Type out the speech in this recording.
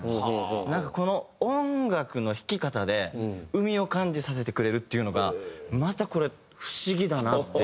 なんかこの音楽の弾き方で海を感じさせてくれるっていうのがまたこれ不思議だなっていうのがあって。